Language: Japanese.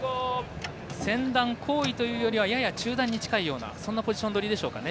先団好位というよりはやや中団に近いようなポジション取りですかね。